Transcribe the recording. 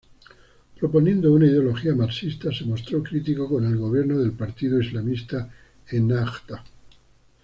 Proponiendo una ideología marxista, se mostró crítico con el gobierno del partido islamista Ennahda.